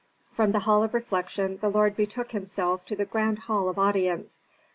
From the hall of refection the lord betook himself to the grand hall of audience.